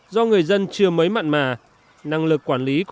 do người dân chưa mới mặn mà năng lực quản lý còn hạn chế